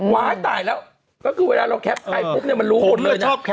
ตายแล้วก็คือเวลาเราแคปใครปุ๊บเนี่ยมันรู้หมดเลยนะ